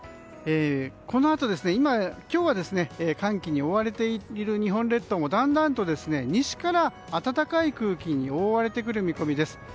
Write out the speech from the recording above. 今日は寒気に覆われている日本列島もだんだんと西から暖かい空気に覆われてくる見込みです。